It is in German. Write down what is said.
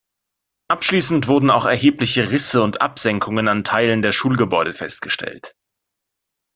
Anschließend wurden auch erhebliche Risse und Absenkungen an Teilen der Schulgebäude festgestellt.